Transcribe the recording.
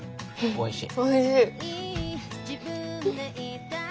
おいしい。